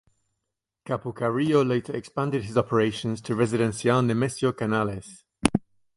Capo Carrillo later expanded his operations to Residencial Nemesio Canales.